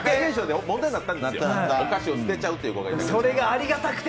お菓子を捨てちゃうという子がいて。